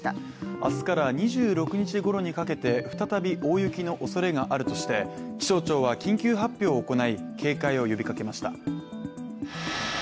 明日から２６日ごろにかけて、再び大雪のおそれがあるとして気象庁は緊急発表を行い、警戒を呼びかけました。